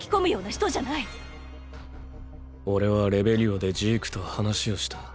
オレはレベリオでジークと話をした。